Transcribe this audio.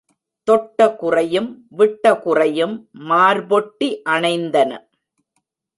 தொட்ட குறையும் விட்டகுறையும் மார்பொட்டி அணைந்தன.